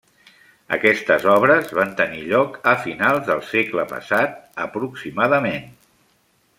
Aquestes obres van tenir lloc a finals del segle passat aproximadament.